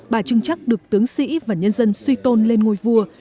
bà trưng trắc được tướng sĩ và nhân dân suy tôn lên ngôi phương